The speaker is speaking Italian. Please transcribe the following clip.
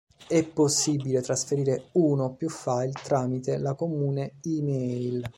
È possibile trasferire uno o più file tramite la comune e-mail.